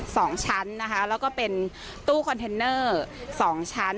สองชั้นนะคะแล้วก็เป็นตู้คอนเทนเนอร์สองชั้น